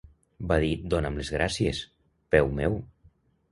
Va dir "Dona'm les gràcies, peu meu".